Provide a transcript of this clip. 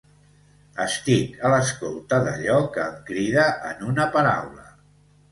Estic a l’escolta d’allò que em crida en una paraula.